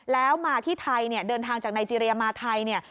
แล้วมาที่ไทยเดินทางจากไนเจรียมาไทย